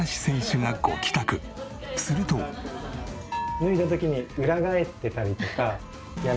脱いだ時に裏返ってたりとか。